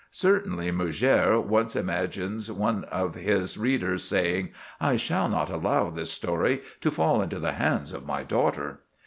"Certainly," Murger once imagines one of his readers saying, "I shall not allow this story to fall into the hands of my daughter."